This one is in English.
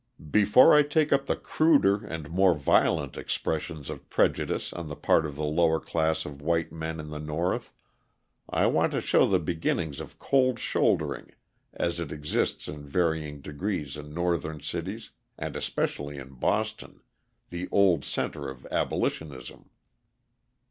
Before I take up the cruder and more violent expressions of prejudice on the part of the lower class of white men in the North I want to show the beginnings of cold shouldering as it exists in varying degrees in Northern cities, and especially in Boston, the old centre of abolitionism.